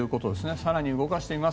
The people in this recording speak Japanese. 更に動かしてみます。